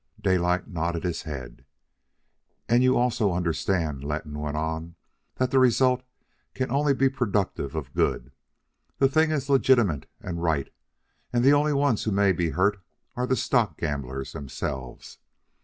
Daylight nodded his head. "And you also understand," Letton went on, "that the result can only be productive of good. The thing is legitimate and right, and the only ones who may be hurt are the stock gamblers themselves.